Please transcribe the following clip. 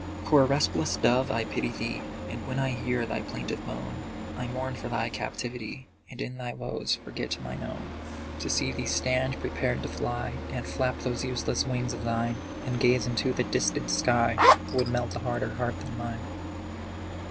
Poor restless dove, I pity thee; And when I hear thy plaintive moan, I mourn for thy captivity, And in thy woes forget mine own. To see thee stand prepared to fly, And flap those useless wings of thine, And gaze into the distant sky, Would melt a harder heart than mine.